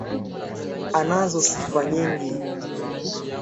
Anazo sifa nyingi.